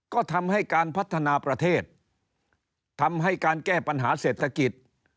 ก็ทำให้การพัฒนาประเทศทำให้การแก้ปัญหาเศรษฐกิจ